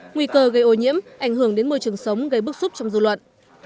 nguy cơ gây ô nhiễm ảnh hưởng đến môi trường sống gây bức xúc trong dư luận